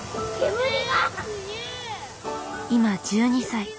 今１２歳。